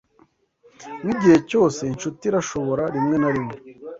wigihe cyose Inshuti irashobora rimwe na rimwe